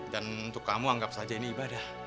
dan untuk kamu anggap saja ini ibadah